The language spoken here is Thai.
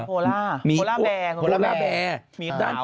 โพล่าโพล่าแบร์